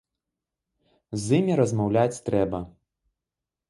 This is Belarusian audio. З імі размаўляць трэба.